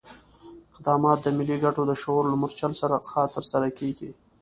اقدامات د ملي ګټو د شعور له مورچل څخه ترسره کېږي.